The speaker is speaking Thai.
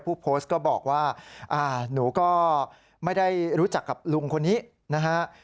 ผู้โพสต์ก็บอกว่าหนูก็ไม่ได้รู้จักกับลุงคนนี้นะฮะ